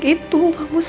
kamu jangan ngomongnya